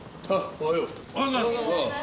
おはようございます！